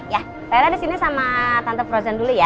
ya saya di sini sama tante frozen dulu ya